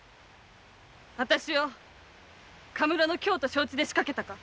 私を「学文路の京」と承知で仕掛けたか？